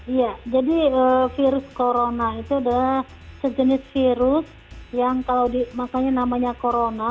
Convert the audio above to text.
iya jadi virus corona itu adalah sejenis virus yang kalau namanya corona